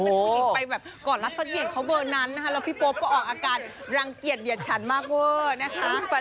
มันคลิปไปแบบก่อนรับสัตว์เดียนเค้าเบอร์นั้นนะคะแล้วพี่โป๊ปก็ออกอาการรังเกียจเบียดฉันมากเว้อนะคะ